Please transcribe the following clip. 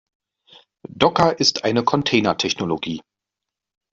Docker ist eine Container-Technologie.